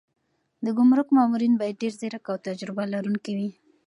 د ګمرک مامورین باید ډېر ځیرک او تجربه لرونکي وي.